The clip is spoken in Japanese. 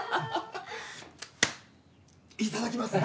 いただきます！